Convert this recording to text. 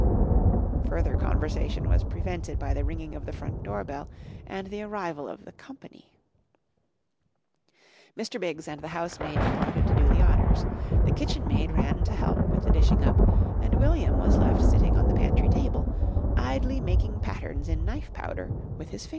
'" Further conversation was prevented by the ringing of the front door bell and the arrival of the "company." Mr. Biggs and the housemaid departed to do the honours. The kitchenmaid ran to help with the dishing up, and William was left sitting on the pantry table, idly making patterns in knife powder with his finger.